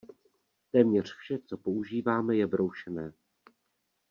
Téměř vše, co používáme, je broušené.